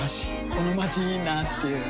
このまちいいなぁっていう